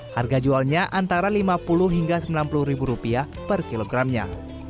harga jualnya antara lima puluh hingga sembilan puluh ribu rupiah per kilogramnya